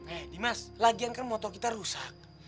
eh dimas lagian kan motor kita rusak